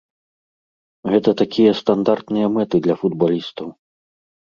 Гэта такія стандартныя мэты для футбалістаў.